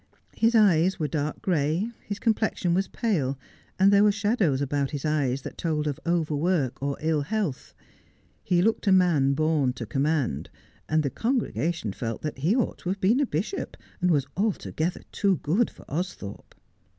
His eyes were dark gray, his complexion was pale, and there were shadows about his eyes that told of overwork or ill health. He looked a man born to command ; and the congrega tion felt that he ought to have been a bishop, and was altogether too good for Austhorpe.